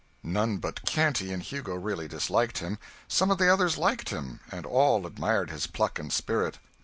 None but Canty and Hugo really disliked him. Some of the others liked him, and all admired his pluck and spirit.